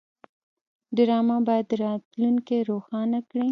ډرامه باید راتلونکی روښانه کړي